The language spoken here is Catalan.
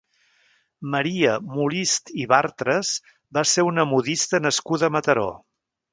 Maria Molist i Bartres va ser una modista nascuda a Mataró.